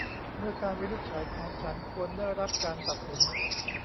เมื่อการวินิจฉัยของฉันควรได้รับการตัดสิน